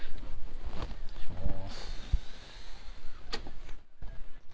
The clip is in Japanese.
失礼します。